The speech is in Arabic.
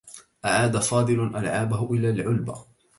أعاد فاضل ألعابه إلى العلبة.